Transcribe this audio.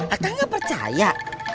akan gak percaya